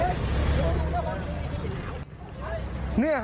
แล้วอ้างด้วยว่าผมเนี่ยทำงานอยู่โรงพยาบาลดังนะฮะกู้ชีพที่เขากำลังมาประถมพยาบาลดังนะฮะ